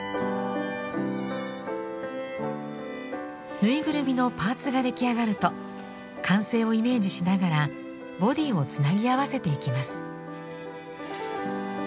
ぬいぐるみのパーツが出来上がると完成をイメージしながらボディーをつなぎ合わせていきます。